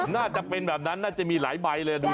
น่าจะเป็นแบบนั้นน่าจะมีหลายใบเลยดู